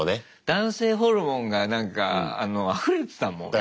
男性ホルモンがなんかあふれてたもんやっぱり。